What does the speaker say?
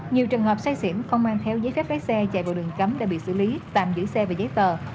nhiều trường hợp say xỉn không mang theo giấy phép lái xe chạy vào đường cấm đã bị xử lý tạm giữ xe về giấy tờ